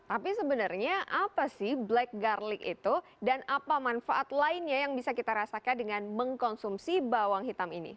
tapi sebenarnya apa sih black garlic itu dan apa manfaat lainnya yang bisa kita rasakan dengan mengkonsumsi bawang hitam ini